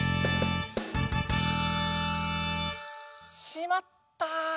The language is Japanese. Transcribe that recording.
しまった！